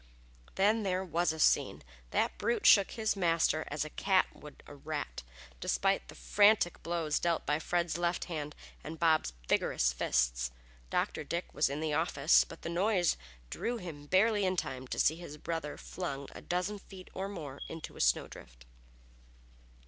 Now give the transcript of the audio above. Then there was a scene! That brute shook his master as a cat would a rat, despite the frantic blows dealt by Fred's left hand and Bob's vigorous fists. Dr. Dick was in the office, but the noise drew him barely in time to see his brother flung a dozen feet or more into a snowdrift.